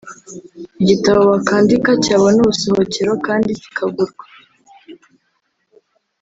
igitabo wakwandika cyabona ubusohokero kandi kikagurwa